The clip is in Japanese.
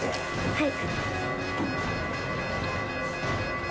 はい。